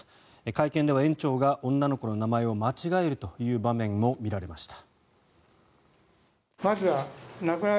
会見では園長が女の子の名前を間違えるという場面も見られました。